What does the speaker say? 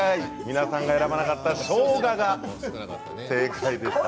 皆さんが選ばなかったしょうがが正解でした。